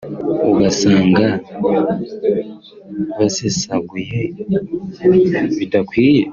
ugasanga basesaguye bidakwiye